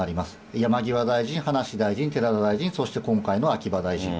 山際大臣、葉梨大臣、寺田大臣、そして今回の秋葉大臣。